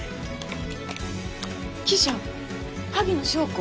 「記者萩野翔子」。